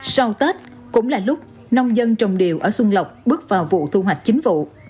sau tết cũng là lúc nông dân trồng điều ở xuân lộc bước vào vụ thu hoạch chính vụ